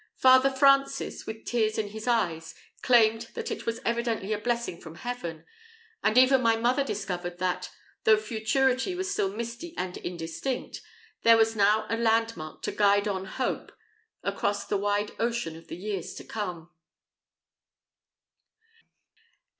Father Francis, with tears in his eyes, exclaimed that it was evidently a blessing from Heaven; and even my mother discovered that, though futurity was still misty and indistinct, there was now a landmark to guide on hope across the wide ocean of the years to come.